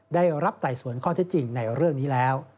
ได้รับไต่สวนข้อเท็จจริงในเรื่องนี้แล้ว